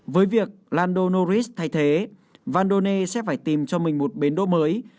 với việc lando norris thay thế vandone sẽ phải tìm cho mình một tuổi